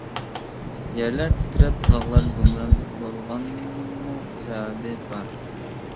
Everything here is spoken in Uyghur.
يەرلەر تىترەپ، تاغلار گۇمران بولغاننىڭمۇ سەۋەبى بار.